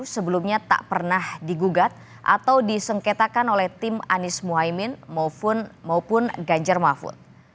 sebelumnya tak pernah digugat atau disengketakan oleh tim anies muhaymin maupun ganjar mahfud